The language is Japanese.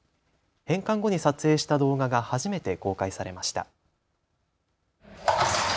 返還後に撮影した動画が初めて公開されました。